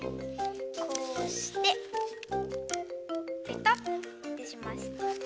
こうしてペタッてします。